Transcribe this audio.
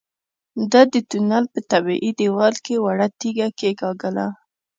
ده د تونل په طبيعي دېوال کې وړه تيږه کېکاږله.